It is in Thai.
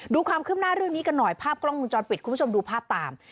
ความคืบหน้าเรื่องนี้กันหน่อยภาพกล้องมุมจรปิดคุณผู้ชมดูภาพตาม